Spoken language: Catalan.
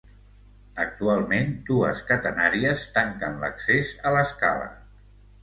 Actualment dues catenàries tanquen l'accés a l'escala.